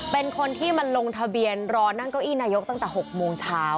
เป็นคนที่มาลงทะเบียนรอนั่งเก้าอี้นายกตั้งแต่๖โมงเช้า